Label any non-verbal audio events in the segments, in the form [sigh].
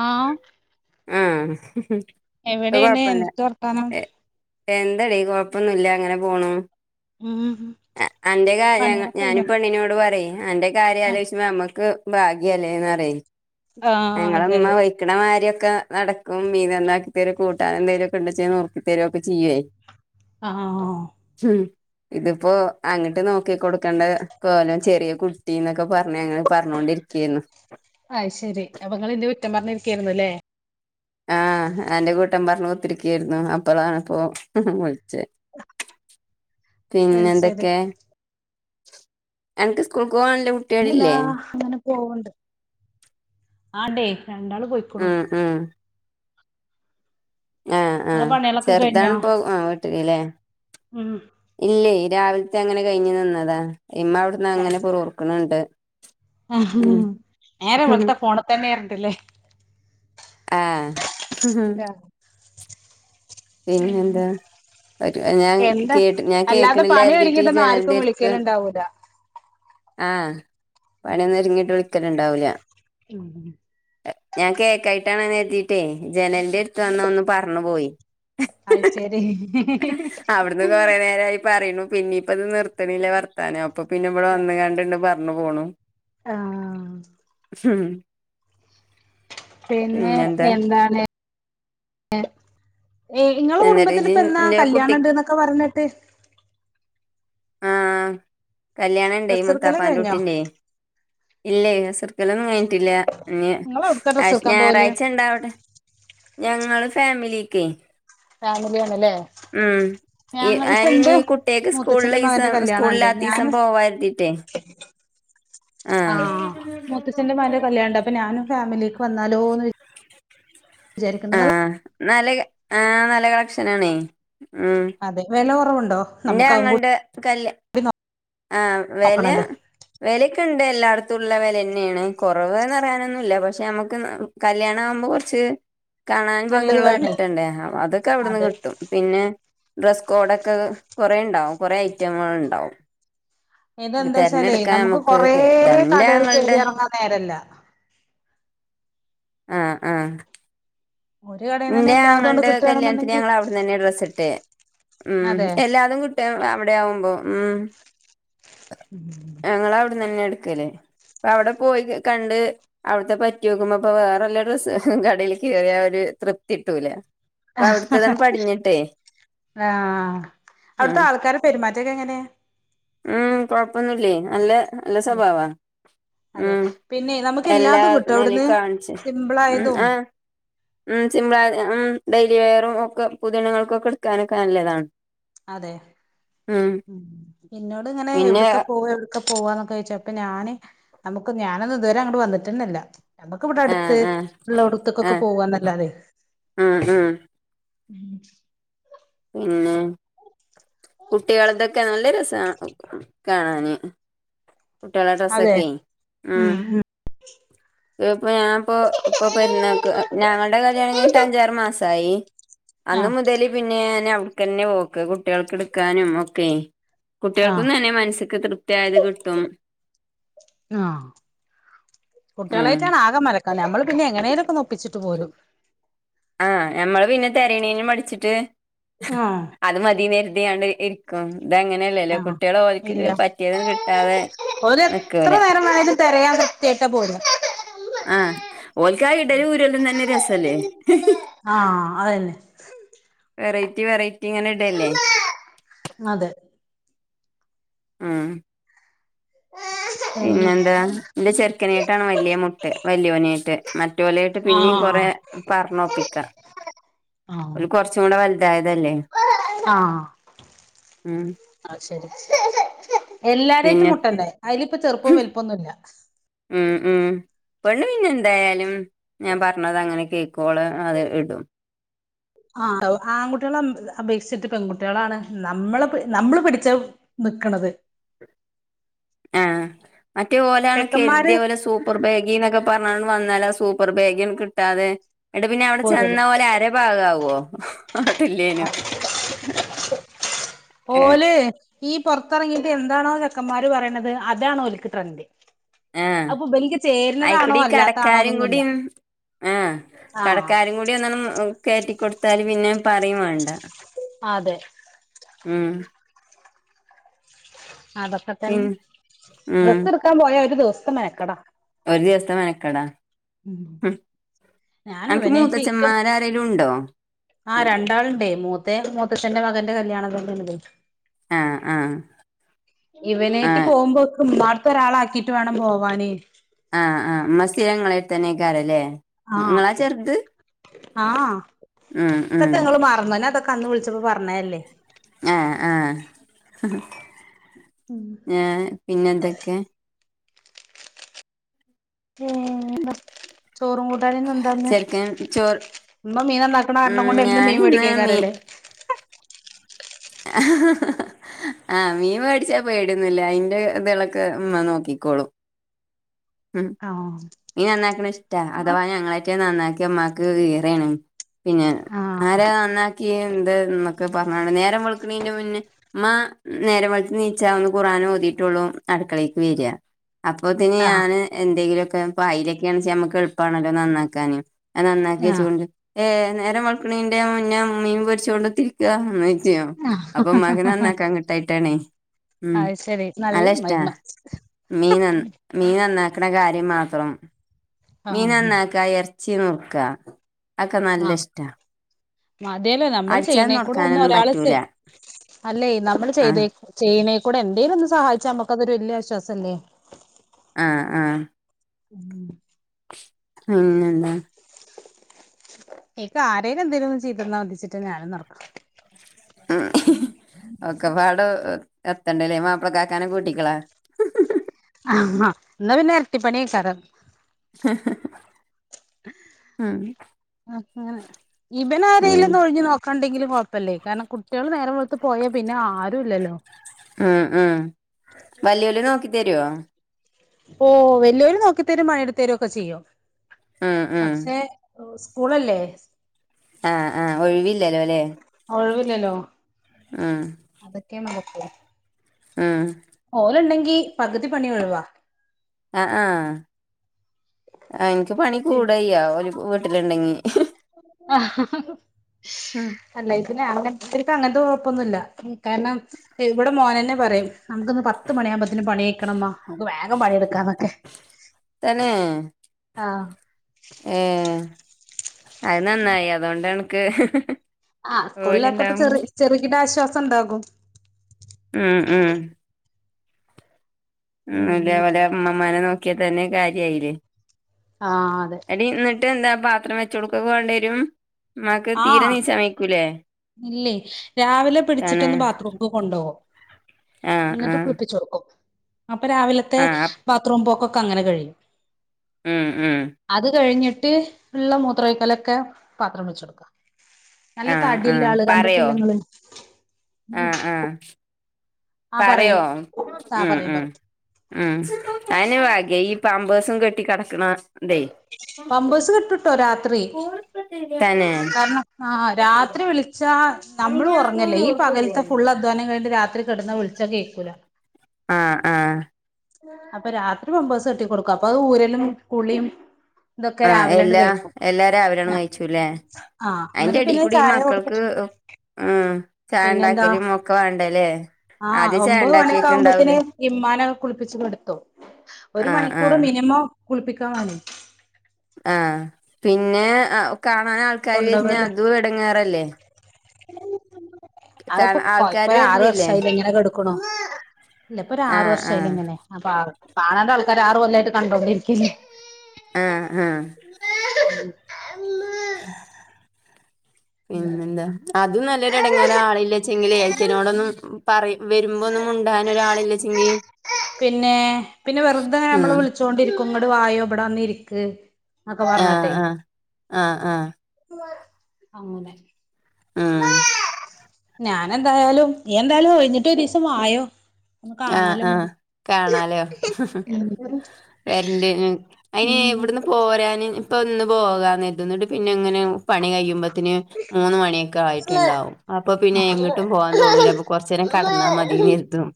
ആഹ് ആഹ് എവിടെയാണ് അത്കുഴപ്പല്ല എന്തൊക്കെ വർത്താനം എ എന്തടി കൊഴപ്പൊന്നും ഇല്ല അങ്ങനെ പോണു ഉം അ അന്റെ കാ ഞങ്ങ പണികളൊക്കെ ഞാനി കഴിഞ്ഞോ പെണ്ണിനോട് പറിം അന്റെ കാര്യലോച്ബോ നമ്മക്ക് ഭാഗ്യല്ലേ ന്ന് പറിം ആഹ് ഞങ്ങളെ അതെ ഇമ്മ അതെ ബ യ്ക്കണമാരിയെക്കെ നടക്കും മീൻ നന്നാക്കി തരും കൂട്ടാന് എന്തങ്കിലും ഒക്കെ ഇണ്ട ച്ചെ നുറുക്കി തരും ഒക്കെ ചെയ്യു ആഹ് ആഹ് ഇത്പ്പോ അങ്ങട്ട് നോക്കി കൊടുക്കേണ്ട കോലം ചെറിയകു കുട്ടീന്നൊക്കെ പറഞ്ഞ് അങ്ങനെ പറ്ഞ്ഞോണ്ടിരിക്കേന്നു അയി ശരി അപ്പൊ ങ്ങള് ഇന്നെ കുറ്റാം പറഞ്ഞ് ഇരിക്കെയ്രുന്നു ല്ലേ ആഹ് അന്റെ കൂട്ടം പറഞ്ഞ് കുത്തിരിക്കെയ്രുന്നു അപ്പളാണ് പ്പൊ വിള്ച്ചേ അത് പിന്നെ ശരി എന്തൊക്കെ അന്ക്ക് സ്കൂൾക്ക് പോകാല്ല കു പിന്നെ എന്താ അങ്ങനെ പോവണ്ട് ആണ്ടേ രണ്ടാള് പോയി ആഹ് ആഹ് ആഹ് ഇങ്ങളെ ആഹ് പണികളൊക്കെ കഴിഞ്ഞോ ചെറ്താണ് പോ ആ വീട്ടില് ല്ലേ ഉം ഇല്ലെയ് രാവിലത്തെ അങ്ങനെ കഴിഞ്ഞ്നിന്നതാ ഇമ്മ അവിടുന്ന് അങ്ങനെ പുറു പുറുക്ക്ണ് ണ്ട് ആഹ് നേരം വെളുത്ത ഫോണ് തന്നെ റ്ഞ്ഞ്ട്ട്ല്ലേ ആഹ് രാ പിന്നെന്താ [unintelligible] ഞാൻ എന്താ കേട്ട് ഞാൻ അല്ലാതെ പണി കേക്ക്ണില്ലാര് തീട്ട് ഈ ഒരുങ്ങിട്ടൊന്നും ആർക്കും ജനലിന്റെടുത്ത് വിളിക്കലുണ്ടാവൂല ആഹ് പണിയെന്നര് ങ്ങീട്ട് വിളിക്കല് ണ്ടാവൂല്ല [unintelligible] ഞാൻ കേക്കായിട്ടാണ്നര്തീട്ടെയ് ജനലിന്റെട്തനൊന്ന് പർണു പോയി അയ്ശേരി അവ്ട്ന്ന് കൊറേനേരായി പറീണു പിന്നിപ്പത് നിർത്ണില്ല വർത്താനം അപ്പൊ പ്പിന്നബടെ വന്ന് ഗാണ്ടിണ്ട് പർനു പോണു. ആഹ് [unintelligible] പിന്നെ പിന്നെന്താ എന്താണ് ഏഹ് എന്നിട്ട് ഇങ്ങളെകുട്ബത്തിൽ ഇജ് പെന്ന ഇന്റെ കുട്ടി കല്യാണണ്ട്ന്നൊക്കെ പർനെട്ട്. ആഹ് കല്യാണണ്ടേയ് ഡ്രസ്സെടുക്കല് കഴിഞ്ഞോ മുത്താപ്പാന്റുട്ടീന്റെയ്. ഇല്ലയ് അസ്ർകലൊന്നും കയ്ൻട്ടില്ല ഇനി നിങ്ങള് എവിടുക്കാ ഡ്രസ്സ് ആഷ് എടുക്കാൻ പോവല് ഞാറാഴ്ച ഇണ്ടാവ്ടെ ഞങ്ങള് ഫാമിലീക്കെയ്. ഫാമിലിആണ്ല്ലേ മ് ഇഹ് ആഹ് ഇനി കുട്ടെക്ക് മൂത്തച്ഛന്റെ മകന്റെ സ്കൂളിലിസം കല്യാണണ്ട് സ്കൂൾലാത്തീസം ഞാന് പോവാര്ത്തീട്ടേ ആഹ് അപ്പ നാനും ഫാമലിക്ക് വന്നാലോന്ന് വി ചാരിക്ക്ന്ന് നല്ല അഹ് നല്ലക ആഹ് നല്ലകളക്ഷനാണേ ഉം അതെ വെല കൊറവ്ണ്ടോ? ഇന്റാങൾടെ കല്യ ആഹ് വെല നോക്കണല്ലോ വെലെക്കെണ്ട് എല്ലാട്ത്തുള്ള വെലെന്നെണ് കൊറവ്ന്നറയാനൊന്നുല്ല പശെ അമക്ന്ന് കല്യാണാവുബൊ കൊർച് കാണാൻ നല്ലത് ഭംഗിയുള്ളത് വേണേ കിട്ടണ്ടേ അതൊക്കെ അവിടുന്ന് അതെ കിട്ടും പിന്നെ ഡ്രസ്സ് കോഡൊക്കെ കൊറേ ഇണ്ടാവും കുറേ ഐറ്റങ്ങൾ ഇണ്ടാവും ഇതെന്താ വെച്ചാലേ തിരഞ്ഞെടുക്കാ നമുക്ക് കൊറേ തെൻ്റ കടകൾ എങ്ങൾ കേറി ഇറങ്ങാൻ നേരല്ല ആഹ് ആഹ് ഒരു കടയിൽ തന്നെ ഇന്റെ എല്ലാതും അങ്ങട് ആങ്ങൾടെ കല്യാണത്തിനെ കിട്ടുകയാണെന്നുണ്ടെങ്കിൽ ഞങ്ങളവിടുന്ന് തന്നെയാ ഡ്രസ്സിട്ടേ ഉം അതെ എല്ലാതും റ്റേ അവിടെയാവുമ്പം ഉം ഉം ഞങ്ങളവിടന്ന് തന്നെയാ എടുക്കല് അപ്പ അവിടെ പോയി കണ്ട് അവിടുത്തെ പറ്റി നോക്കുമ്പ ഇപ്പ വേറെല്ല ഡ്രെസ്സ് കടയിലേക്ക് കേറിയാ ഒരു തൃപ്തി കിട്ടൂല അവിടുത്തെതാണ് പടിഞ്ഞിട്ടേ ആഹ് ഉം അവിടുത്തെ ആൾക്കാർടെ പെരുമാറ്റൊക്കെ എങ്ങനെ ഉം കൊഴപ്പൊന്നുല്ലേ നല്ല ഉം സ്വഭാവാ അതെ ഉം പിന്നെ നമുക്ക് എല്ലാ എല്ലാതും കിട്ടും അവിടുന്ന് [unintelligible] കാണിച്ച് ഉം സിമ്പിളായതും ഏഹ് ഉം സിമ്പിളായതെ ഉം ഡെയ്ലി വെയറും ഒക്കെ പൊതു ഇനങ്ങൾക്കൊക്കെ എടുക്കാനൊക്കെ നല്ലതാണ് അതെ ഉം എന്നോടിങ്ങനെ പിന്നെ എവിടൊക്കെ പോയെടുക് ക്കെ പോവാന്നൊക്കെ വെച്ചെ അപ്പ ഞാനെ നമുക്ക് ഞാനൊന്നും ഇതുവരെ അങ്ങട്ടെ വന്നിട്ടിന്നില്ല നമുക്കിവിട ആഹ് അടുത്ത് ആഹ് ഉള്ളോടുത്തൊക്കെ ആഹ് പോവാന്നല്ലാതെ ഉം ഉം ഉം പിന്നെ കുട്ടികൾത്തൊക്കെ നല്ല രസാ കാണാനെ കുട്ടികളെ അതെ ഡ്രസ്സൊക്കേ ഉം ഇപ്പൊ ഞാനിപ്പോ ഇപ്പൊ പെരുന്നാൾക്ക് ഞങ്ങൾടെ കല്യാണം കഴിഞ്ഞിട്ടഞ്ചാറു മാസായി അന്ന് ആഹ് മുതലെ പിന്നെ ഞാനവിടെക്കന്നെ പോക്ക് കുട്ടികൾക്ക് എടുക്കാനും ഒക്കേ ആഹ് കുട്ടികൾക്കും തന്നെ മനസ്സിക്ക് തൃപ്തിയായത് കിട്ട് ആഹ് ഉം കുട്ടികളായിട്ടാണോ ആകെ മലക്ക നമ്മള് പിന്നെങ്ങനേലൊക്കൊന്നൊപ്പിച്ചിട്ട് പോരും ആഹ് ഞമ്മള് പിന്നെ തെരയ്ണേന് മടിച്ചിട്ട് ആഹ് അത് മതിന്നരുതിയാണ്ട് ഇരിക്കും ഇതങ്ങനെ ല്ലേ ആഹ് കുട്ടിയേള് ഓല്ക്ക് ഇല്ല പറ്റിയതങ്ങട് കിട്ടാതെ നിക്കൂല ആയത് തെരയാതെ യിട്ട പോരാ ആഹ് ഓല്ക്കാ ഇടലും ഊരലും തന്നെ രസല്ലേ ആഹ് അതന്നെ വെറൈറ്റി വെറൈറ്റിങ്ങനെ ഇടല്ലേ അതെ മ്മ് പിന്നെ ന്നെന്താ ഇന്റെ ചെറുക്കനേയിട്ടാണ് വല്ല്യെ മുട്ട് വലിയോനേയിട്ട് മറ്റോലെയിട്ട് പിന്നിം കൊറെ ആഹ് പറഞൊപ്പിക്ക ആഹ് വന് കൊറച് കുറചൂടെ വലുതായതല്ലേ ആഹ് ഉം അയ് ശരി എല്ലാരേയിട്ടും പിന്നെ മുട്ടണ്ടേ അയിലിപ്പോ ചെറുപ്പോം വലുപ്പൊന്നുല്ല മ്മ് മ്മ് പെണ്ണു പിന്നെന്തായാലും ഞാൻ പറഞ്ഞതങ്ങനെ കേക്കോള് അത് ഇടും ആ ആൺകുട്ടികളെ അപേക്ഷിച്ചിട്ട് പെൺകുട്ടികളാണ് നമ്മളെ നമ്മള് പഠിച്ച നിക്കണത് ആഹ് മറ്റേ ഓലാണ് ചെക്കന്മാര് കെരുതി ഓലെ സോ പ്പർ ബാഗിന്നൊക്കെ പറഞ്ഞണ്ട് വന്നാല സൂപ്പർ ബേഗി കിട്ടാതെ ഇന്നട്ട് പിന്നെവടെ പോരൂല ചെന്ന ഓലെ അര പാകാവോ ട്ടില്ലേ ഏഹ് ഓല് ഈ പൊറത്തെറങ്ങിയിട്ട് എന്താണോ ചെക്കന്മാര് പറയണത് അതാണോല്ക്ക് ട്രെൻഡ് ആഹ് അയിപ്പോ ഇബന്ക്ക് ചേര്ണതാണോ അല്ലാത്താണോന്നൊന്നുല്ല ആ ആഹ് കടക്കാരും കൂടി ഒന്നണ്ട് കയറ്റിക്കൊടുത്താല് പിന്നെ പറയും വേണ്ട ആ അതെ മ്മ് അതൊക്കെ പിൻ തന്നെ ഉം ഡ്രസ്സ്ടുക്കാൻ പോയ ഒരു ദിവസത്തെ മെനക്കെടാ ഒരു ദിവസത്തെ മനക്കടാ ഉം അനക്ക് ഞാനിവനെറ്റ് ഇക്ക് മൂത്തച്ഛന്മാരാരേലും ഉണ്ടോ ആ പിൻ രണ്ടാള്ണ്ടേയ് മൂ ന്റെ മൂത്തച്ഛന്റെ മകന്റെ കല്യാണകൂടിണ്ട് ആ ആഹ് ഇവനേറ്റ് ആഹ് പോവുമ്പോ ഇക്ക് ഉമ്മാടെത്ത് ഒരാളെ ആക്കീട്ട് വേണം പോവാന് ആഹ് ആ ഉമ്മ സ്ഥിരങ്ങളെടുത്തന്നെയ്ക്കാരല്ലേ ആഹ് ഇങ്ങളാ ചെറുത് ആഹ് ഉം ഇതൊക്കെങ്ങള് മറന്ന ഞാതൊക്കെ അന്ന് വിളിച്ചപ്പോ പറഞ്ഞല്ലേ ആഹ് ആ ഞാൻ പിന്നെന്തൊക്കെ മ്മ് ചോറും കൂ ട്ടാനിന്നെന്താന്ന് ചെർക്കൻ ചോറ് ഉമ്മ മീൻ നന്നാക്കണ കാരണം ഉം കൊണ്ട് എന്നും മീൻ ഞാനിന്ന് മീ വേടിക്കേയ്ക്കാരല്ലേ ആഹാ ആഹ് മീൻ വേടിച്ചാ പേടിയൊന്നുല്ല അതിന്റെ ഇത്കളൊക്കെ ഉമ്മ നോക്കിക്കോളും ഉം ആഹ് മീൻ നന്നാക്കണയിഷ്ടാ അഥവാ ഞങ്ങളായിട്ടെ നന്നാക്കിയാ ഉമ്മാക്ക് ഈറെണ് പിന്നെ ആഹ് ആരാ നന്നാക്കിയേ എന്ത്ന്നൊക്കെ പറഞാണ്ട് നേരം വിളുക്ക്‌ണെന്റെ മുന്നേ ഉമ്മ നേരം വെളുത്ത് നീച്ച ഒന്ന് ഖുർആനോതീട്ടുള്ളൂ അടുക്കളേക്ക് വര അപ്പൊതിന് ആഹ് ഞാൻ എന്തെങ്കിലൊക്കെ പായിലൊക്കാണ്ച്ചാ നമ്മുക്ക് എളുപ്പാണല്ലോ നന്നാക്കാന് അത് ആഹ് നന്നാക്കിയച്ചോണ്ട് ഏ നേരം വളക്കണിന്റെ മുന്നെ മീൻ പൊരിച്ചൊണ്ട് നന്നായി ചെയ്യൂ അപ്പൊ ഉമ്മാക്ക് ആഹ് നന്നാക്കാൻ കിട്ടായിട്ടാണേ ഉം അത് ശരി നല്ല നല്ലഷ്ടാ മഹിമ മീനൻ നന്ന മീൻ നന്നാക്കണ കാര്യം മാത്രം മീൻ ആഹ് നന്നാക്ക ഇറച്ചി നുറുക്ക അതൊക്കെ നല്ലിഷ്ടാ മതീല്ലോ നമ്മള് ചെയ്യണേക്കൂടെ ഒന്ന് ഒരാള സെ പറ്റൂല അല്ലേ നമ്മൾ ആഹ് ചെയ്തേക്കൂ ചെയ്യണേക്കൂടെ എന്തേലൊന്ന് സഹായിച്ചാ നമ്മുക്കതൊരു വല്യ ആശ്വാസല്ലേ ആഹ് ആഹ് [inaudible] ഉം ഇപ്പൊ ആരേലും എന്തേലും ഒന്ന് ചെയ്തുതന്നാതിച്ചിട്ടാ ഞാനും നടക്കണെ ഉ ഒക്കെപാട് എത്തണ്ടല്ലേ മാപ്പിളക്കാക്കാനെ കൂട്ടിക്കളാ ആഹ് എന്നാ പിന്നെ എരട്ടി പണിയേയ്ക്കാലോ [unintelligible] ഉം ഉം ഇവനാരേലൊന്ന് ഒഴിഞ്ഞു നോക്ക ക്കുണ്ടെങ്കിലും കുഴപ്പല്ലേ കാരണം കുട്ട്യോള് നേരം വെളുത്ത് പോയാ പിന്നെ ആരുല്ലല്ലോ ഉം ഉം വല്യോല് നോക്കി തരുവോ ഓഹ് വല്യോര് നോക്കിത്തരും പണിയെടുത്തരും ഒക്കെ ചെയ്യും ഉം ഉം പക്ഷെ ഓ സ്കൂളല്ലേ ആഹ് ആഹ് ഒഴിവില്ലാലോല്ലേ ഒഴിവില്ലല്ലോ ഉം അതൊക്കെ നടക്കൂ ഉം ഓലൊണ്ടെങ്കി പകുതി പണി ഒഴിവാ ആഹ് ആഹ് ഇനിക്ക് പണി ശരി കൂടായ്യാ ഓല് വീട്ടിലുണ്ടെങ്കി [unintelligible] ഉം അല്ല ഇതിനെ അങ്ങൻ അവര്ക്ക് അങ്ങൻത്തെ കൊഴപ്പൊന്നുല്ല കാരണം ഇവിടെ മോനന്നെ പറയും നമുക്കിന്ന് പത്ത് മണിയാകുമ്പോത്തിനും പണി കയ്ക്കണുമ്മ നമുക്ക് വേഗം പണിയെട്ക്കാന്നൊക്കെ തന്നെ ആഹ് ഏഹ് അത് നന്നായി അതുകൊണ്ടണക്ക് ആഹ് സ്കൂളില്ലാത്തപ്പോ ചെറ ചെറുകിട ആശ്വാസം ഉണ്ടാകും ഉം ഉം ഒന്നൂല്ലേ പിന്നെ അവന്റെ അമ്മമേനെ നോക്കിയാ തന്നെ കാര്യായില്ലേ ആഹ് അതെ ടി എന്നിട്ട് എന്താ പാത്രം വെച്ചൊടുക്കൊക്കെ വേണ്ടേരും ഉമ്മാക്ക് തീരെ ആഹ് എണീച്ചായ്ക്കൂലേ ഇല്ലേ രാവിലെ പിടിച്ചിട്ടൊന്ന് ബാത്റൂമ്ക്ക് കൊണ്ടോവും ആഹ് എന്നിട്ട് ആഹ് കുളിപ്പിച്ചോക്കും അപ്പൊ രാവിലത്തെ ആഹ് അപ് ബാത്ത്റൂം പോക്കൊക്കെ അങ്ങനെ കഴിയും ഉം ഉം അത് കഴിഞ്ഞിട്ട് ഉള്ള മൂത്രൊഴിക്കലൊക്കെ പാത്രം വെച്ചൊടുക്കാ നല്ല ആഹ് തടി യില്ലേ ആഹ് ആള് പറയോ കണ്ടിട്ടില്ലേങ്ങള് ആഹ് ആഹ് പറയോ ആ ഉം പറയും ഉം പറയും ഉം അയന്നെ ഭാഗ്യാ ഈ പാമ്പേഴ്സും കെട്ടി കെട്ക്കണ പാംമ്പേഴ്സ് കെട്ടൂട്ടോ രാത്രി തന്നെ കാരണം ആഹ് രാത്രി വിളിച്ചാ നമ്മളും ഒറങ്ങല്ലേ ഈ പകലത്തെ ഫുള്ള് അ ധ്വാനം കഴിഞ്ഞിട്ട് രാത്രി കെടന്ന് വിളിച്ചാ കേക്കൂല ആഹ് ആഹ് അപ്പൊ രാത്രി പാംമ്പേഴ്സ് കെട്ടി കൊടുക്കും അപ്പൊ അത് ഊരലും കുളിയും ഇതൊക്കെ ആഹ് രാവിലെണ്ട് എല്ലാം കഴിക്കും എല്ലാ രാവിലെയണ് ആ കഴിച്ചുല്ലേ ആ എന്നിട്ട് അയിന്റെടേൽ പിന്നെ കൂടി ചായ മക്കൾക്ക് കൊടുത്തിട്ട് ഉം ചായ ഒണ്ടാക്കലും ഒക്കെ വേണ്ടേല്ലേ ആഹ് ഒമ്പത് മണിക്കൊ ആകുമ്പോത്തിന് ഇമ്മാനെ പ്പിച്ച് കൊടുത്തു ഒരു ആഹ് മണിക്കൂർ ആഹ് മിനിമം കുളിപ്പിക്കാൻ വാണ്ട്യ ആഹ് പിന്നെ കാണാൻ ആൾക്കാര് വെര്നേ കൊണ്ടോവലും അതും ഇടങ്ങേറല്ലേ കാണ അതിപ്പോ ആൾക്കാര് കൊയപ്പല്ല ആറ് വരലില്ലേ വർഷായില്ലേ എങ്ങനെക്കെ കടുക്ക്ണൂ ഇല്ല ഇപ്പൊ ഒരു ആറ് ആഹ് വർഷായിലെ ആഹ് ഇങ്ങനെ അപ്പൊ കാണാണ്ട ആൾക്കാര് ആറ്കൊല്ലായിട്ട് കണ്ടോണ്ടിരിക്കല്ലെ ആഹ് ആഹ് [inaudible] ഉം ഉം പിന്നെ എന്താ അത് നല്ലൊരെടെങ്ങേറ ആളില്ലച്ചെങ്കില് ഏറ്റയനോടൊന്നും പറ വരുമ്പോന്നും മുണ്ടാൻ ഒരാളില്ലേച്ചാ ഉം പിന്നെ പിന്നെ വെറുതെ നമ്മള് വിളിച്ചോണ്ടിരിക്കും ഇങ്ങട് വായോ ഇവിടെന്ന ഇരിക്ക എന്നക്കെ ആഹ് പറഞ്ഞ്ട്ടെ ആഹ് ആഹ് ആഹ് അങ്ങനെ ആഹ് ഞാന് എന്തായാലും നീ എന്തായാലും കഴിഞ്ഞിട്ട് ഒരു ദിവസം വായോ ഒന്ന് കാണാലോ മതി കാണാലേോ ഉം വരണ്ട് അയിന് ഉം ഇവിടന്ന് പോരാന് ഇപ്പൊ ഒന്ന് പോകാന്നെര്തും ന്നിട്ട് പിന്നെ ങ്ങനെ പണി കഴിയുമ്പത്തിന് മൂന്ന് മണി ആയിട്ടുണ്ടാവും അപ്പൊ പിന്നെ ആഹ് എങ്ങിട്ടും പോവാൻ തോന്നൂല അപ്പൊ കൊറച്ചു നേരം കടന്നാൽ മതി നര്ത്തും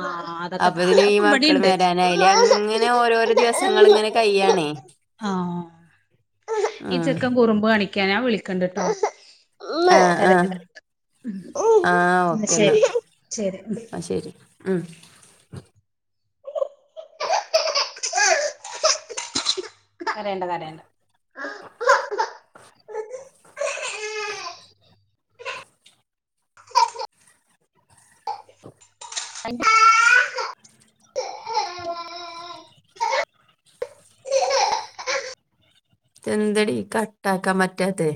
ആഹ് മക്കളും അതൊക്കെപടിണ്ട് വരാനായില്ലേ അങ്ങനെ ഓരോരോ ദിവസങ്ങൾ ഇങ്ങനെ കയ്യാണേ ആഹ് ഈ ഉം ചെക്കൻ കുറുമ്പ് കണിക്കാനാ വിളിക്കണ്ടിട്ടോ ആഹ് ആഹ് ആഹ് ഓക്കേ എന്നാ ശരി ആഹ് ശരി ഉം അരേണ്ട കരയേണ്ട [unintelligible] എന്തടി കട്ടാക്കാൻ പറ്റാത്തെ